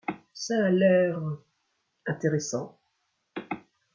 Ça a l’air. .. intéressant.